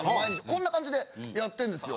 こんな感じでやってるんですよ。